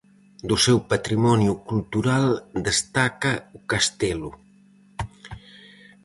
Do seu patrimonio cultural destaca o castelo.